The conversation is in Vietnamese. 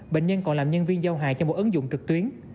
bệnh nhân còn làm nhân viên giao hàng cho một ứng dụng trực tuyến